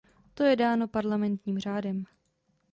To je dáno parlamentním řádem.